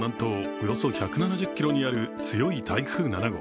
およそ１７０ｋｍにある強い台風７号。